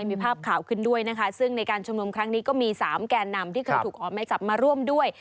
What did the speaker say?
มีภาพข่าวขึ้นด้วยนะคะซึ่งในการชุมนุมครั้งนี้ก็มีสามแก่นำที่เคยถูกออกไม้จับมาร่วมด้วย